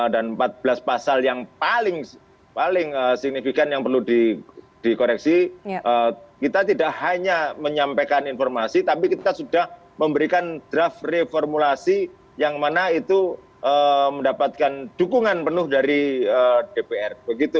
dan empat belas pasal yang paling signifikan yang perlu dikoreksi kita tidak hanya menyampaikan informasi tapi kita sudah memberikan draft reformulasi yang mana itu mendapatkan dukungan penuh dari dpr